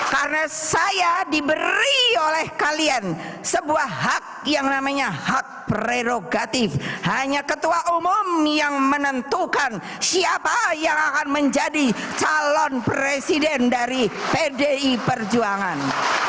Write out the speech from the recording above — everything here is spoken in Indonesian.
karena saya diberi oleh kalian sebuah hak yang namanya hak prerogatif hanya ketua umum yang menentukan siapa yang akan menjadi calon presiden dari pdi perjuangan